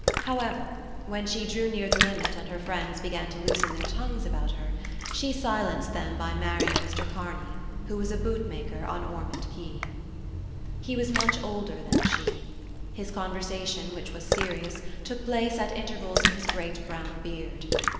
However, when she drew near the limit and her friends began to loosen their tongues about her, she silenced them by marrying Mr Kearney, who was a bootmaker on Ormond Quay. He was much older than she. His conversation, which was serious, took place at intervals in his great brown beard.